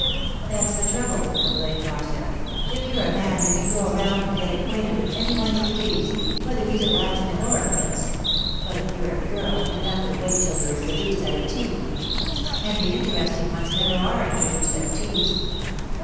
'That's the trouble,' complained Marcia. 'If you're a man you can go around and get acquainted with any one you please, whether he's a blacksmith or a prince; but if you're a girl you have to wait till you're introduced at a tea. And the interesting ones never are introduced at teas.